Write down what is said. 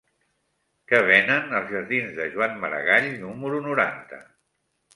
Què venen als jardins de Joan Maragall número noranta?